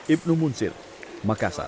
ibnu munsir makassar